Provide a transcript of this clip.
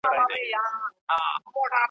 غړومبېدلی به آسمان وي .